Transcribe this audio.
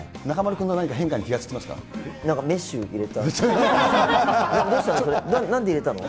中丸君の何か変化に気が付きなんかメッシュ入れた。